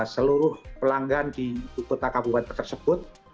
seluruh pelanggan di kota kabupaten tersebut